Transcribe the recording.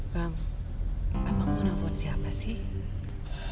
bang abang mau nelfon siapa sih